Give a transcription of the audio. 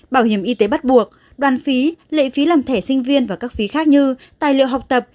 bảo hiểm y tế bắt buộc đoàn phí lệ phí làm thẻ sinh viên và các phí khác như tài liệu học tập